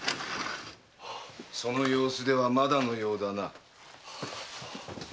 その様子ではまだのようだな。